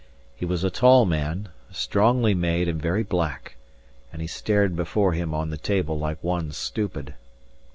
He was a tall man, strongly made and very black; and he stared before him on the table like one stupid.